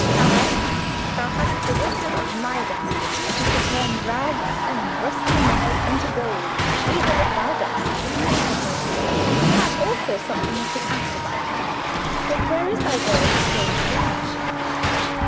"Ay, thou hast the wisdom of Midas, who could turn rags and rusty nails into gold, even as thou dost," said Nello, "and he had also something of the ass about him. But where is thy bird of strange plumage?"